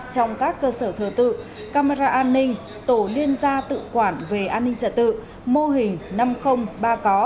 trong các cơ sở thờ tự camera an ninh tổ liên gia tự quản về an ninh trật tự mô hình năm trăm linh ba có